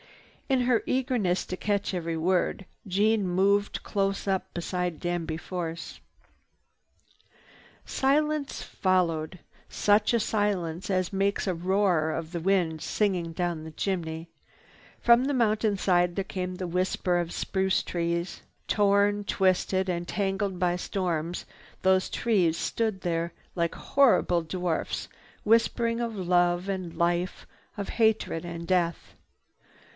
In her eagerness to catch every word, Jeanne moved close up beside Danby Force. Silence followed, such a silence as makes a roar of the wind singing down the chimney. From the mountainside there came the whisper of spruce trees. Torn, twisted, and tangled by storms, those trees stood there like horrible dwarfs whispering of love and life, of hatred and death.